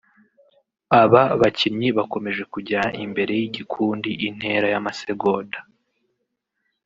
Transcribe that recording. Aba bakinnyi bakomeje kujyana imbere y'igikundi intera y'amasegonda (")